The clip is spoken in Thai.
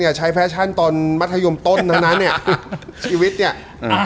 ใช้แฟชั่นตอนมัธยมต้นทั้งนั้นเนี้ยชีวิตเนี้ยอ่า